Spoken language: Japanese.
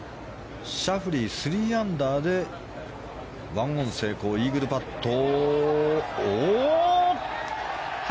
シャフリー、３アンダーで１オン成功、イーグルパット。